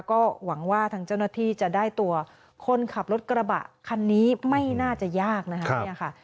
ก็หวังว่าทางเจ้าหน้าที่จะได้ตัวคนขับรถกระบะคันนี้ไม่น่าจะยากนะคะ